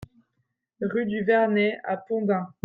Rue du Vernay à Pont-d'Ain